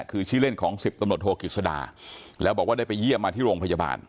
คือชื่อเล่นของ๑๐ตำรวจโทกิจสดาแล้วบอกว่าได้ไปเยี่ยมมาที่โรงพยาบาล